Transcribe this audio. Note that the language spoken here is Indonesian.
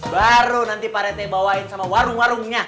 baru nanti pak rente bawain sama warung warungnya